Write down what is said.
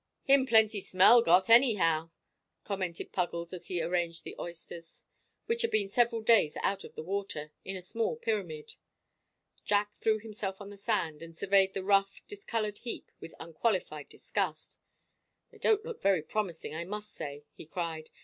"Him plenty smell got, anyhow," commented Puggles, as he arranged the oysters, which had been several days out of the water, in a small pyramid. Jack threw himself on the sand, and surveyed the rough, discoloured heap with unqualified disgust. "They don't look very promising, I must say," he cried.